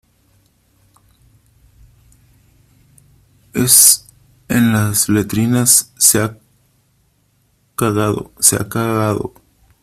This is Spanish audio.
es en las letrinas . se ha cagado .¡ se ha cagado !